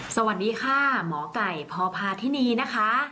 สวัสดีค่ะหมอไก่พพาธินีนะคะ